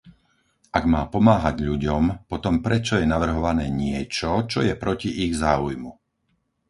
Ak má pomáhať ľuďom, potom prečo je navrhované niečo, čo je proti ich záujmu?